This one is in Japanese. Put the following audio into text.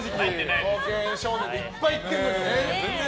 「冒険少年」でいっぱい行ってるのにね。